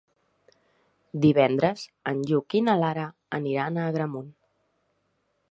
Divendres en Lluc i na Lara aniran a Agramunt.